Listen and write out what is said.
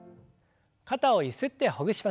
肩をゆすってほぐしましょう。